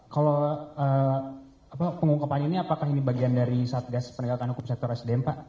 kalau pengungkapannya ini apakah ini bagian dari satgas penegakan hukum sektor sdm pak